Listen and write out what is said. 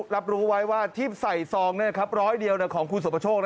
รับรู้ไว้ว่าที่ใส่ซองร้อยเดียวของคุณสุประโชค